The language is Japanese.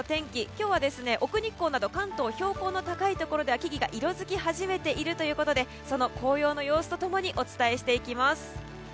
今日は、奥日光など関東、標高の高いところでは木々が色づき始めているということでその紅葉の様子と共にお伝えしていきます。